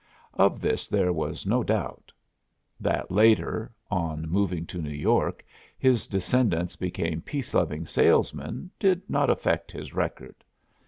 Of this there was no doubt. That, later, on moving to New York, his descendants became peace loving salesmen did not affect his record.